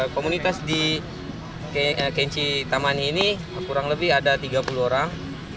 komunitas di kenji tamani ini kurang lebih ada tiga puluh orang